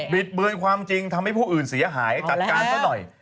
ิดเบือนความจริงทำให้ผู้อื่นเสียหายจัดการซะหน่อย